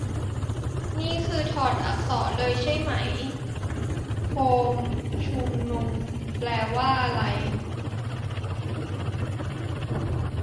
นี่คือถอดอักษรเลยใช่มั๊ย - "โฮมชุมนุม" แปลว่าไร ?